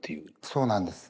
そうなんです。